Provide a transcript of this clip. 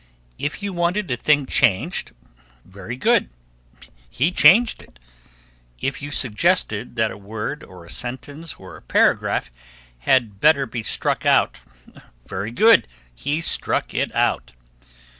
If you wanted a thing changed, very good, he changed it; if you suggested that a word or a sentence or a paragraph had better be struck out, very good, he struck it out.